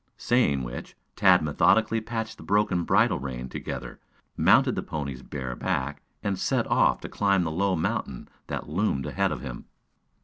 Saying which, Tad methodically patched the broken bridle rein together, mounted the pony's bare back and set off to climb the low mountain that loomed ahead of him.